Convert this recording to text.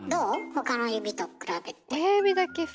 他の指と比べて。